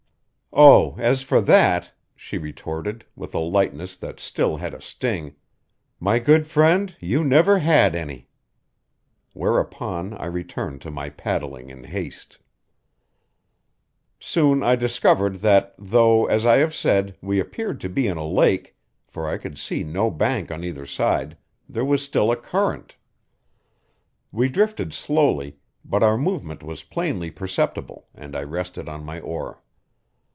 "Oh, as for that," she retorted, with a lightness that still had a sting, "my good friend, you never had any." Whereupon I returned to my paddling in haste. Soon I discovered that though, as I have said, we appeared to be in a lake for I could see no bank on either side there was still a current. We drifted slowly, but our movement was plainly perceptible, and I rested on my oar.